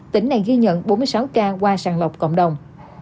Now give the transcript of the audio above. tỉnh này ghi nhận bốn mươi sáu ca qua sàng lọc cộng đồng